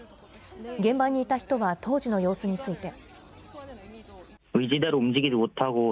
現場にいた人は当時の様子について。